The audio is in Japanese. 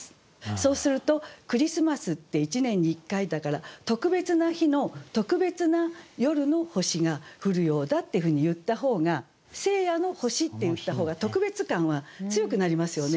そうするとクリスマスって一年に１回だから特別な日の特別な夜の星が降るようだってふうに言った方が「聖夜の星」って言った方が特別感は強くなりますよね。